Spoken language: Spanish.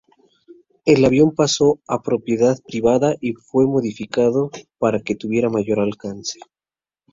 El avión pasó a propiedad privada, y fue modificado para que tuviera mayor alcance.